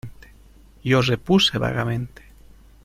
yo repuse vagamente: